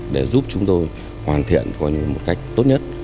để giúp chúng tôi hoàn thiện có những cách tốt nhất